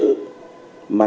mà nó là bài hát